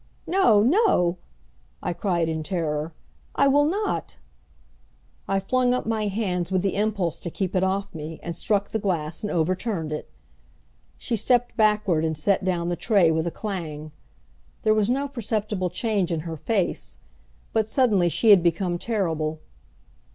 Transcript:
"No, no!" I cried in terror. "I will not!" I flung up my hand with the impulse to keep it off me, and struck the glass, and overturned it. She stepped backward and set down the tray with a clang. There was no perceptible change in her face, but suddenly she had become terrible.